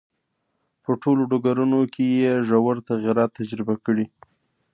په ټولو ډګرونو کې یې ژور تغییرات تجربه کړي.